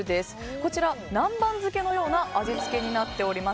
こちら、南蛮漬けのような味付けになっております。